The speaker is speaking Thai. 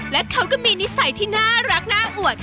และเขาก็มีนิสัยที่น่ารักน่าอวด